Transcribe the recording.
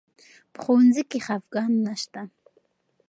په ښوونځي کې خفګان نه شته.